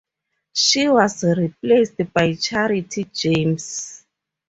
She was replaced by Charity James.